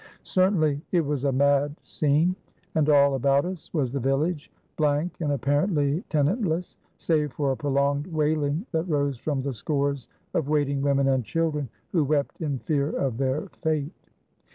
Certainly, it was a mad scene. And all about us was the village, blank and apparently tenantless, save for a prolonged wailing that rose from the scores of waiting women and children, who wept in fear of their fate.